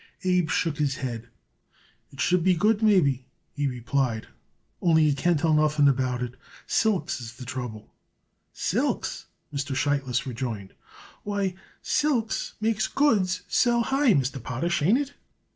Abe shook his head. "It should be good, maybe," he replied; "only, you can't tell nothing about it. Silks is the trouble." "Silks?" Mr. Sheitlis rejoined. "Why, silks makes goods sell high, Mr. Potash. Ain't it?